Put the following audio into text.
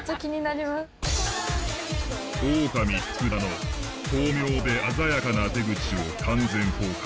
オオカミ福田の巧妙で鮮やかな手口を完全公開。